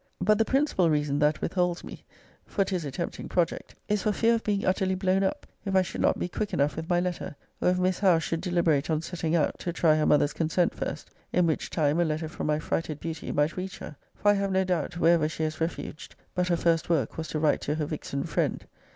But the principal reason that withholds me [for 'tis a tempting project!] is, for fear of being utterly blown up, if I should not be quick enough with my letter, or if Miss Howe should deliberate on setting out, to try her mother's consent first; in which time a letter from my frighted beauty might reach her; for I have no doubt, wherever she has refuged, but her first work was to write to her vixen friend.